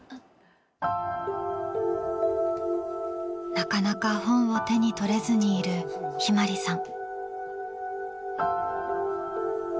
なかなか本を手に取れずにいる向葵さん。